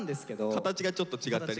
形がちょっと違ったりするんだ。